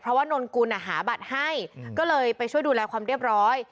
เพราะว่านนกุลหาบัตรให้ก็เลยไปช่วยดูแลความเรียบร้อย